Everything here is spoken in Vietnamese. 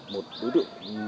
một đối tượng